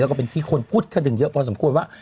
แล้วก็เป็นที่คนพูดกันถึงเยอะพอสมควรว่า